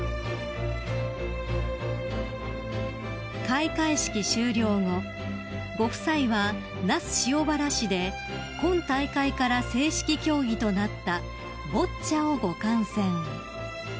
［開会式終了後ご夫妻は那須塩原市で今大会から正式競技となったボッチャをご観戦］